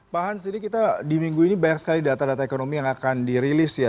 pak hans ini kita di minggu ini banyak sekali data data ekonomi yang akan dirilis ya